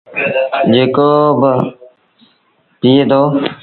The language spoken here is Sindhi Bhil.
جيڪو با پيٚئي دو ۔